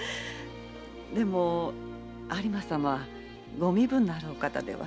でも有馬様はご身分のあるお方では？